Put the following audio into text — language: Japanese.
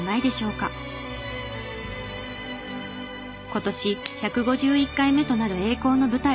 今年１５１回目となる栄光の舞台。